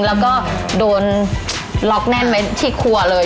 แล้วก็โดนล็อกแน่นไว้ที่ครัวเลย